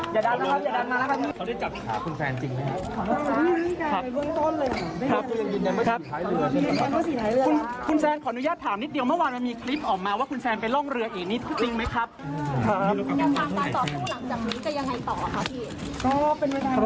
อย่าดันนะครับอย่าดันมาแล้วครับ